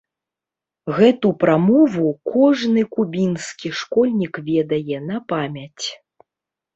Гэту прамову кожны кубінскі школьнік ведае на памяць.